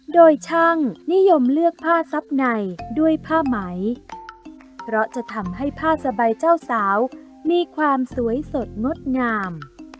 โดยช่างนิยมเลือกผ้าซับในด้วยผ้าไหมเพราะจะทำให้ผ้าสบายเจ้าสาวมีความสวยสดงดงาม